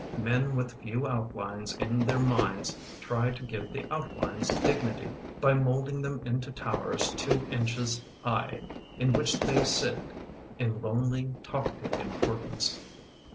Men with few outlines in their minds Try to give the outlines dignity By moulding them into towers two indies high, In which they sit in lonely, talkative importance.